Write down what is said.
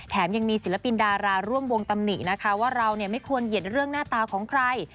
ยังมีศิลปินดาราร่วมวงตำหนินะคะว่าเราไม่ควรเหยียดเรื่องหน้าตาของใคร